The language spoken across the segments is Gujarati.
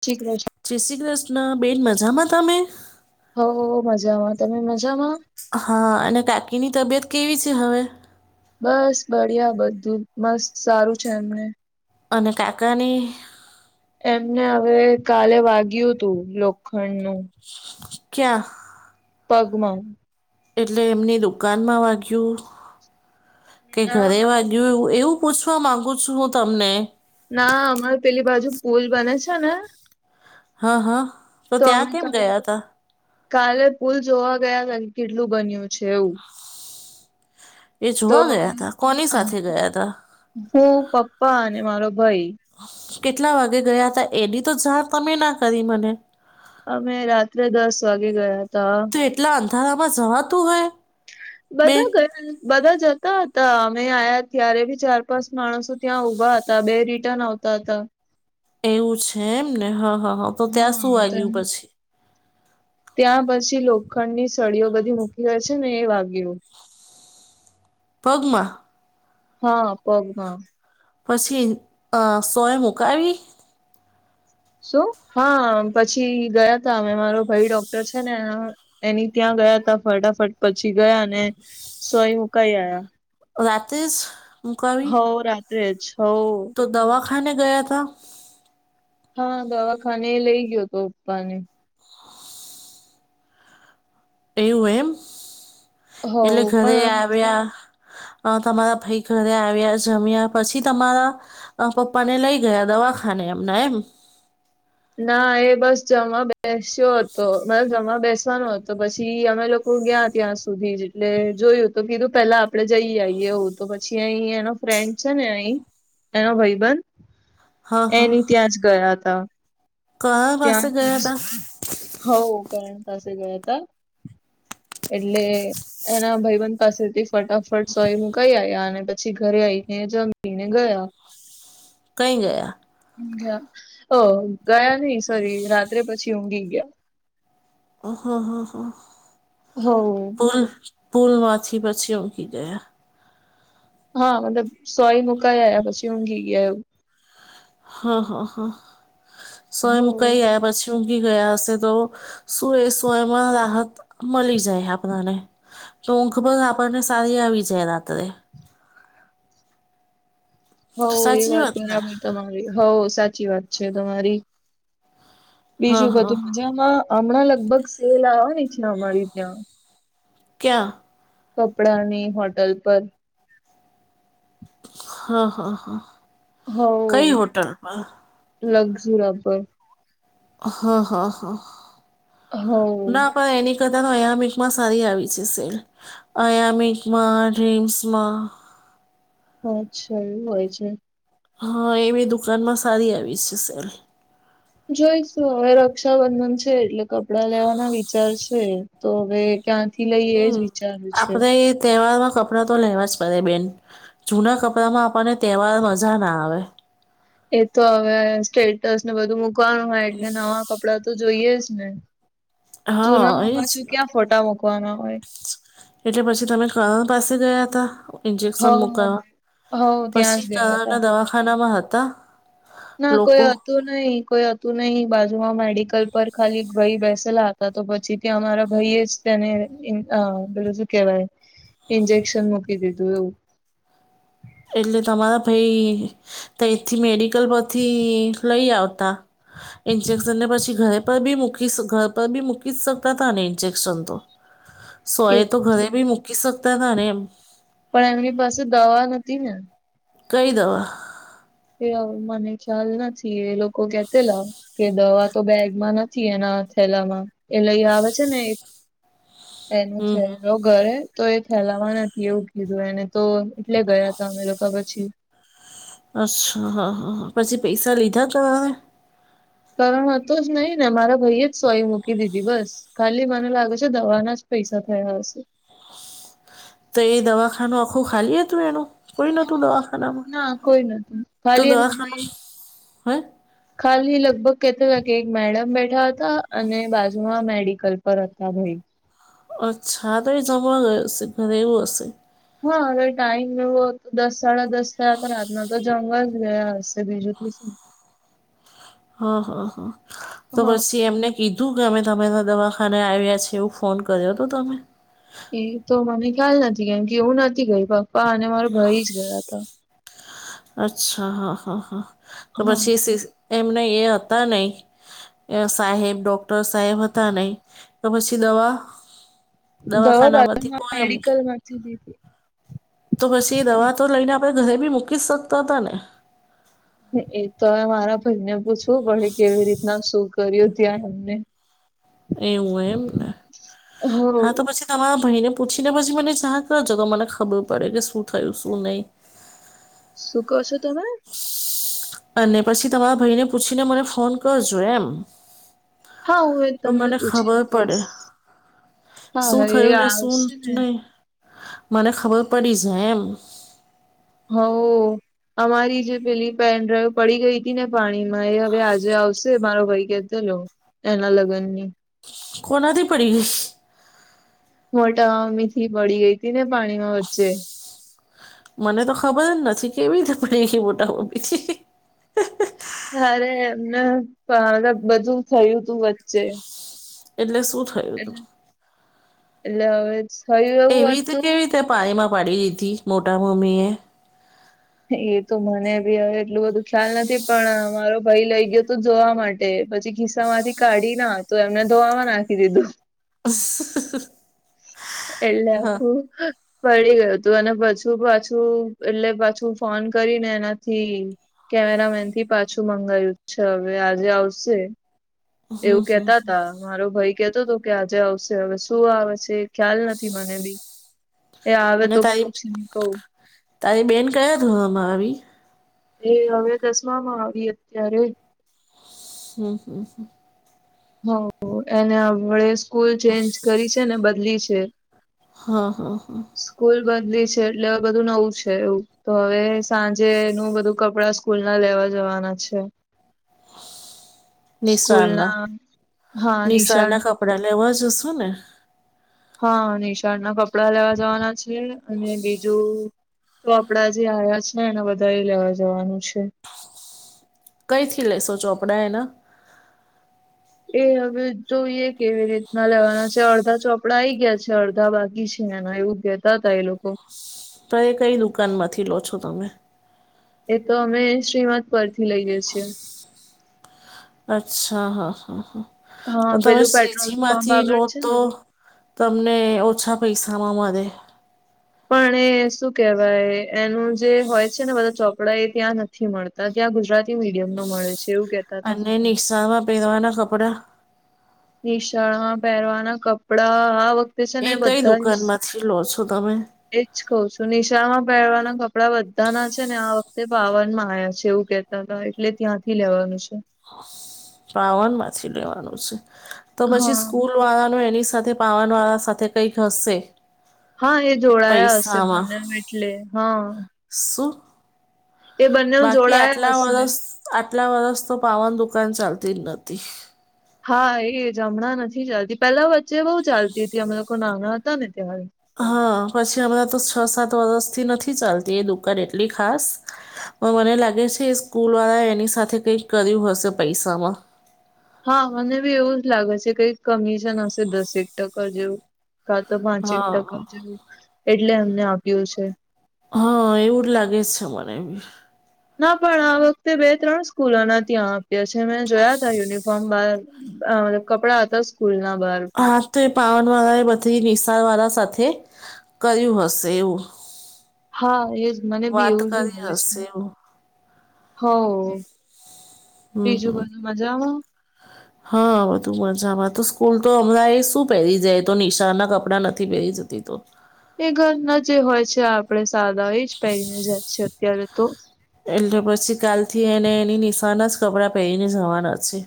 ઠીક. જય શ્રી કૃષ્ણ બેન, મજામાં તમે? હઓ, મજામાં તમે મજામાં. હા, અને કાકીની તબિયત કેવી છે, હવે? બસ બડીયા, બધું મસ્ત સારું છે, એમને. અને કાકાની એમને હવે કાલે વાગ્યું તું લોખંડ નું ક્યાં? પગમાં એટલે એમની દુકાનમાં વાગ્યું કે, ઘરે ના વાગ્યું એવું. પૂછવા માગું છું, હું તમને ના અમારે પેલી બાજુ પુલ બને છે ને. હા, હા. તો આવી ત્યાં રીતે કેમ અ ગયા હતા કાલે પુલ જોવા ગયા હતા, કે કેટલું બન્યું છે એવું. એ તો જોવા ગયા હતા, કોની સાથે ગયા હતા? હું પપ્પા અને મારો ભાઈ કેટલા વાગે ગયા હતા, એની તો જાણ તમે ના કરી મને. અમે રાત્રે દસ વાગે ગયા હતા. તો એટલા અંધારામાં જવાતું હોય. બેન બધા ગયા ની બધા જતા હતા અમે આયા ત્યારે બી ચાર પાંચ માણસો ત્યાં ઉભા હતા બે રિટર્ન આવતા તા તા. એવું છે એમ ને હા હા હા તો ત્યાં શું હા વાગ્યું પછી? ત્યાં પછી લોખંડની સળીઓ બધી મૂકી હોય છે ને એ વાગ્યું. પગમાં? હા પગમાં. પછી-અ સોઈ મુકાવી? શું? હા પછી ગયા તા અમે મારો ભાઈ ડોક્ટર છે ને. એની ત્યાં ગયા ત ફટાફટ પછી ગયા અને, સોય મુકાઈ આયા. રાતેેસ મુકાવી? ત છ [unintelligible] તો દવા ખાને ગયા ત? હા દવાખાને એ લઈ ગયો હતો પપ્પાને. એવું એમ, એટલે હોવ ઘરે પણ આવ્યા. તમારા ભાઈ ઘરે આવ્યા જમ્યા પછી તમારા પપ્પા ને લઈ ગયા દવાખાને એમના એમ. ના એ બસ જમવા બેસ્યો હતો બસ જમવા બેસવાનો હતો. તો પછી અમે લોકો ગયા ત્યાં સુધી એટલે જોયું તો કીધું પેલા આપડે જઈ આવીઈએ એવું તો પછી અહી એનો ફ્રેન્ડ છે ને અહી, એનો ભાઈબંધ. હા એની ત્યાં જ ગયા હતા. કોના પાસે ગયા તા? હ કરણ પાસે ગયા તા, એટલે એના ભઈબન પાસેથી ફટાફટ સોય મુકાઈ આવ્યા અને પછી ઘરે આઈને જમીને ગયા. કઈ ગયા? ઊઘ્યા ઓ ગયા નઈ સોરી રાત્રે પછી ઊંઘી ગયા. હ હા હા હા. હમ. પુલ પુલ માંથી પછી ઊંઘી ગયા. હા મતલબ સોય મુકાઈયા પછી ઊંઘી ગયા એવું. હા હા હા, સોય હો મુકાઈ આયા પછી ઊંઘી ગયા હશે તો, સુએ સોયમાં રાહત મળી જાય આપણને. તો ઊંઘ પણ આપણને સારી આવી જાય રાત્રે. હોવ એ સાચી વાત ને બરાબર તમારી હોવ સાચી વાત છે તમારી. હા બીજું હા બધું મજામાં હમણાં લગભગ સેલ આવ ની છે અમારી ત્યાં. ક્યાં? કપડા ની હોટલ પર. હા હા હા. કઈ હોવ હોટલ પર લગજયુરા પર. હા હા હા, હોવ નાપણ એની કદા તો આયામિકમાં સારી આવી છે સેલ, આયામિકમાં ડ્રીમ્સમાં. હા અચ્છા એવું હોય છે. હા એવી દુકાનમાં સારી આવી છે સેલ. જોઈશું હવે રક્ષાબંધન છે એટલે કપડા લેવાના વિચાર છે, તો હવે ક્યાંથી લઈ એ હમ જ વિચાર્યું છે. આપણે તહેવારમાં કપડાં તો લેવા જ પડે બેન, જૂના કપડાંમાં આપણને તહેવાર મજા ના આવે. એ તો હવે સ્ટેટસ ને બધું મૂકવાનું હોય, એટલે નવા કપડા કપડા તો જોઈએ જ ને, જૂના હા માં એ જ પાછુ ને ક્યાં ફોટા મૂકવાના હોય. એટલે પછી તમે કરણ પાસે ગયા હતા. ઇન્જેક્શન હવ મુકવા હવ ત્યાં પછી જ ગયા હતા તાના દવાખાનામાં હતા. ના લોકો કોઈ તું નહી કોઈ હતું નહી, બાજુમાં મેડિકલ પર ખાલી એક ભાઈ બેસેલા હતા, તો પછી કે અમારા ભાઈ જ તેને પેલું શું કહેવાય? કેહેવાય. ઇજેક્શન મૂકી દીધું એવું. એટલે તમારા ભાઈ તઈ થી મેડિકલ પરથી લઈ આવતા. ઇન્જેક્શન ને પછી ઘરે પર બી મૂકી, ઘર પર બી મૂકી જ શકતા તા ને, ઇન્જેક્શન તો એ સોય તો ઘરે બી મૂકી શકતા ત ને એમ. પણ એમની પાસે દવા નતી ને. કઈ દવા? એ મને ખ્યાલ નથી, એ લોકો કેતેલા. કે દવા તો બેગમાં નથી, એના થેલામાં એ લઈ આવે છે ને એક. એનું હમ હમ. થેલો ઘરે તો એ થેલાવા નથી, એવું કીધું એને તો. એટલે ગયા હતા, અમે લોકો પછી અચ્છા, હા, હા, પછી પૈસા લીધા તો હવે. કારણ હતો જ નહી ને, મારા ભાઈએ જ સોય મૂકી દીધી બસ. ખાલી મને લાગે છે, દવાના જ પૈસા થયા હશે. તો એ દવાખાનું આખું ખાલી હતું એનું. કોઈ નતું, દવાખાનામાં ના કોઈ નતું તો ખાલી એનો દવાખાનું ભાઈ હે. ખાલી લગભગ કેતા હતા કે, એક મેડમ બેઠા હતા, અને બાજુમાં મેડિકલ પર હતા ભાઈ. અચ્છા, તો એ જમા હો હશે, ઘરેવું હશે. હા, હવે ટાઈમ ન હોત, દસ-સાડા દસ થયા હતા, રાતના તો જમવા જ ગયા હશે, બીજું તો શું? હા, હા, હા, તો હા પછી એમને. કીધું કે, અમે તમારા દવાખાને આવ્યા છે, એવું ફોન કર્યો હતો તમે. એ તો મને ખ્યાલ નથી, કેમકે હું નથી ગઈ, પપ્પા અને મારો ભાઈ જ ગયા હતા. અચ્છા, હા, હા, હા, તો હા પછી એમને એ હતા નય. સાહેબ ડોક્ટર સાહેબ હતા નહીં, તો પછી દવા? દવા દવાખાના માંથી બાજુમાં કોયમ મેડિકલ માંથી લીધી. તો પછી દવા તો લઈને, આપણે ઘરે ભી મૂકી શકતા હતા ને. એ તો મારા ભાઈને પૂછવું પડે, કેવી રીતના શું કર્યું ત્યાં એમને? એવું હોય, એમને હો હા તો પછી તમારા ભાઈને પૂછીને, પછી મને જાણ કરજો, તો મને ખબર પડે કે, શું થયું, શું નહી. શું કરશો તમે? અને પછી તમારા ભાઈને, પૂછીને મને ફોન કરજો એમ. હા, હું એ તો તમને મને પૂછી ને ખબર પડે કહીશ. હા શું હા એ થયું ને, શું આવશે ને નય, મને ખબર પડી જાય એમ. હ. અમારી જે પેલી પેનડ્રાઈવ પડી ગઈ હતી ને, પાણીમાં એ હવે આજે આવશે, મારો ભાઈ કેતો એના લગ્નની કોનાથી પડી ગઈ. મોટામમ્મીથી પડી ગઈ હતી ને, પાણીમાં વચ્ચે મને તો ખબર જ નથી, કેવી રીતે પડી ગઈ, મોટામમ્મીથી. અરે એમને બધું થયું તું વચ્ચે. એટલે શું થયું? હતું એ એટલે હવે થયું એવું એવી તે હતું કેવી રીતે પાણીમાં પાડી દીધી, મોટામમ્મી એ. એતો મને ભી હવે એટલું બધું ખ્યાલ નથી, પણ મારો ભાઈ લઈ ગયો હતો જોવા માટે. એ પછી ખિસ્સા માંથી કાઢી ના તો, એમને ધોવા નાખી દીધું. એટલે શું? પડી ગયું હતું, અને પાછું-પાછું એટલે પાછું ફોન કરીને એનાથી. કેમેરામેન થી પાછું મંગાયું છે, હવે આજે આવશે. હમ, એવું હમ. કેતાતા મારો ભાઈ કેતો હતો કે, આજે આવશે, હવે શું આવે છે. ખ્યાલ નથી મને ભી એ, આવે અને તો તારી પૂછીને કવું. તારી બેન ક્યા ધોરણમા આવી? એ હવે દસમામાં આવી અત્યારે. હા, હા, હા. હ, એને હવે સ્કૂલ ચેન્જ કરી છે ને, બદલી છે. હા, હા, હા. સ્કૂલ બદલી છે, એટલે બધું નવું છે, એવું તો હવે સાંજેનું બધું કપડા સ્કૂલના લેવા જવાના છે. સ્કૂલ નિશાળના, ના હા નિશાળ નિશાળના કપડા લેવા જશું ને. હા, નિશાળ ના કપડા લેવા જવાના છીએ, અને બીજું કપડા જે આયા છે ને, એને બધાએ લેવા જવાનું છે. કઈ થી લેશો ચોપડા એના? એ હવે જોઈએ કેવી રીતના લેવાના છે, અડધા ચોપડા આઈ ગ્યા છે, અડધા બાકી છે, એના એવું કેતા તા એ લોકો. કઈ-કઈ દુકાનમાંથી લો છો તમે? એ તો અમે શ્રીમદ્ પર થી લઈએે છીએ. અચ્છા, હા, હા, હ, તો હા તમે પેલું પેટ્રોલ શ્રીજી પંપ માંથી આગળ લો છે ને તો. તમને ઓછા પૈસામાં મળે. પણ એ શું કેહેવાય, એનું જે હોય છે ને, બધા ચોપડા એ ત્યાં નથી. નથી મળતા ત્યાં, ગુજરાતી મીડિયમ નું મળે છે, એવું કે. અને નિશાળ માં પેરવા ના કપડા. નિશાળ માં પહેરવાના કપડા આ વખતે છે એ ને કઈ બધા દુકાન માંથી લો છો તમે? એજ કહ છું, નિશાળમાં પહેરવાના કપડા બધાના છે ને, આ વખતે પાવનમાં આયા છે એવું કે. તો તો એટલે ત્યાંથી લેવાનું છે. પાવન માંથી લેવાનું છે, તો પછી હા સ્કૂલ વાળાનું એની સાથે પાવનવાળા સાથે કંઈક હશે. હા, એ જોડાયા હશે, પૈસામાં બને એટલે હા. શુ? એ બંને બાકી જોડાયા આટલા હશે વર્ષ, આટલા વર્ષ તો પાવન દુકાન ચાલતી જ નતી. હા, એ જ હમણાં નથી ચાલતી, પેલા વચ્ચે બહુ ચાલતી હતી, અમે લોકો નાના હતા ને ત્યારે. હા, પછી હમણાં તો છ સાત વર્ષથી નથી ચાલતી, એ દુકાન એટલી ખાસ પણ મને લાગે છે, એ સ્કૂલ વાળાએ એની સાથે કઈ કર્યું હશે પૈસામાં. હા, મને બી એવું જ લાગે છે, કઈક કમિશન હશે, દસેક ટકા જેવું. કા તો પાંચેક હા ટકા જેવું એટલે અમને આપ્યું છે. હા એવું જ લાગે છે મને બી. ના પણ આ વખતે બે ત્રણ સ્કૂલોના ત્યાં આપ્યા છે મેં જોયા તા યુનિફોર્મ બાર. અ કપડા હતા સ્કૂલ ના બાર. હા તો એ પાવન વાળા એ બધી નિશાળ વાળા સાથે કર્યું હશે એવું. હા એજ મને બી વાત એવું જ કરી લાગે છે. હશે એવું હવ, હમ હમ. બીજું બધું મજામાં. [inaudible] હા બધું મજામાં તો સ્કૂલ તો હમણાં એ શું પહેરી જાય એ તો નિશાળ ના કપડાં નથી પહેરી જતી તો. એ ઘરના જે હોય છે આપણે સાદા એ જ પહેરીને જાય છે અત્યારે તો. એટલે પછી કાલથી એને એની નિશાળ ના જ કપડાં પહેરીને જવાના છે.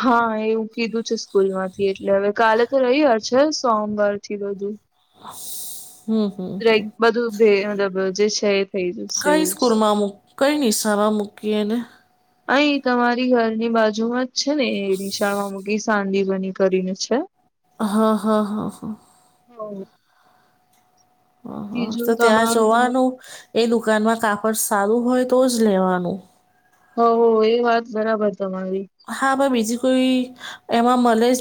હા એવું કીધું છે સ્કૂલમાંથી એટલે હવે કાલે તો રવિવાર છે સોમવાર થી બધું. [unintelligible] રાઈટ બધુ [unintelligible] મતલબ જે છે એ થઈ જશે કઈ એવું. સ્કૂલમાં મૂક કઈ નિશાળમાં મૂકીએ એને? અહીં તમારી ઘરની બાજુ માં જ છે ને એ નિશાળમાં મૂકી સાંદીપની કરીને છે. હા હા હા હા. હવ. હ હ તો ત્યાં તમારું જોવાનું એ દુકાનમાં કાપડ સારું હોય તો જ લેવાનું. હઓ એ વાત બરાબર તમારી. હા આમાં બીજી કોઈ એમાં મલે જ ના.